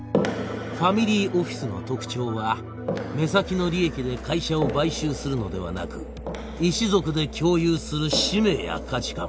ファミリーオフィスの特徴は目先の利益で会社を買収するのではなく一族で共有する使命や価値観